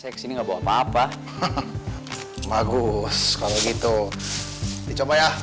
seks ini nggak bawa papa bagus kalau gitu dicoba ya